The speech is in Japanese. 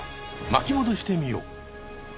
巻き戻してみよう。